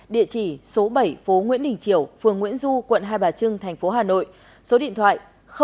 địa chỉ số bảy phố nguyễn đình triều phường nguyễn du quận hai bà trưng tp hà nội số điện thoại sáu mươi chín hai trăm ba mươi bốn một nghìn năm trăm ba mươi sáu